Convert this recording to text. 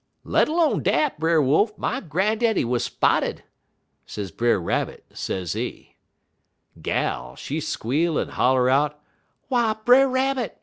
'Let 'lone dat, Brer Wolf, my grandaddy wuz spotted,' sez Brer Rabbit, sezee. "Gal, she squeal en holler out: "'W'y, Brer Rabbit!